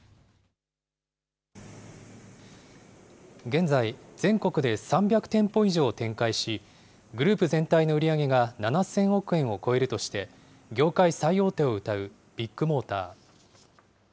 現在、全国で３００店舗以上展開し、グループ全体の売り上げが７０００億円を超えるとして、業界最大手をうたうビッグモーター。